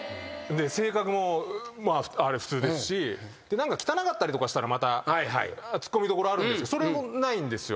性格も普通ですし汚かったりとかしたらまた突っ込みどころあるんですけどそれもないんですよ。